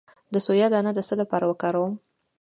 د سویا دانه د څه لپاره وکاروم؟